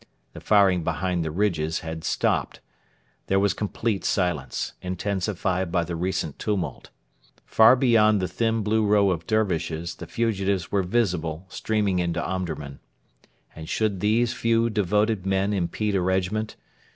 The firing behind the ridges had stopped. There was complete silence, intensified by the recent tumult. Far beyond the thin blue row of Dervishes the fugitives were visible streaming into Omdurman. And should these few devoted men impede a regiment?